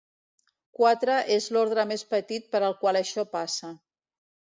Quatre és l'ordre més petit per al qual això passa.